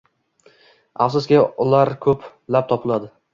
Afsuski, uiar ko‘plab topiladi.